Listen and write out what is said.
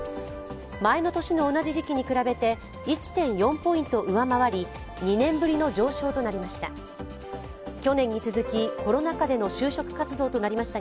前の年の同じ時期に比べて１．４ポイント上回り、２年ぶりの上昇となりました。